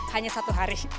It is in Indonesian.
hanya satu hari